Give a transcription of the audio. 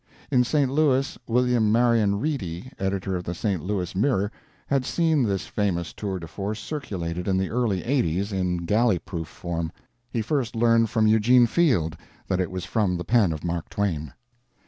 In St. Louis, William Marion Reedy, editor of the St. Louis Mirror, had seen this famous tour de force circulated in the early 80's in galley proof form; he first learned from Eugene Field that it was from the pen of Mark Twain.